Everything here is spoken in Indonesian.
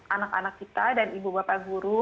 anak anak kita dan ibu bapak guru